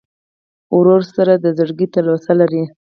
ورور سره د زړګي تلوسه لرې.